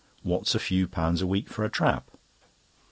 What's a few pounds a week for a trap?"